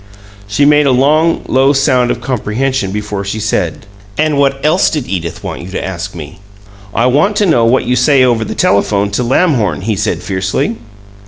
She made a long, low sound of comprehension before she said, "And what else did Edith want you to ask me?" "I want to know what you say over the telephone to Lamhorn," he said, fiercely.